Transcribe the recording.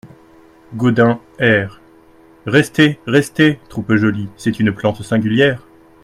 Gaudin Air : Restez, restez, troupe jolie C’est une plante singulière…